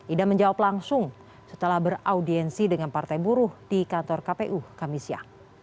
ida menjawab langsung setelah beraudiensi dengan partai buruh di kantor kpu kamisya